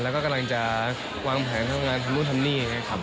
แล้วก็กำลังจะวางแผนทำงานทำนู่นทำนี่นะครับ